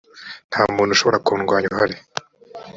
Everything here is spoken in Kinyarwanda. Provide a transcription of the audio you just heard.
nta muntu ushobora kundwanya uhari.